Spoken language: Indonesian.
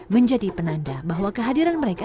menjadi penanda bahwa kehadiran mereka